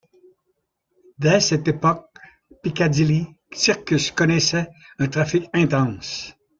Dès cette époque, Piccadilly Circus connaissait un trafic intense.